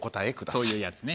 そういうやつね。